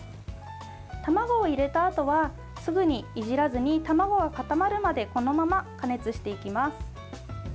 卵を入れたあとはすぐにいじらずに卵が固まるまでこのまま加熱していきます。